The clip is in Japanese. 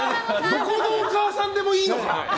どこのお母さんでもいいのか！